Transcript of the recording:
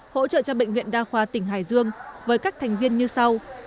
hỗ trợ cho bệnh viện đa khoa tỉnh hải dương với các thành viên như sau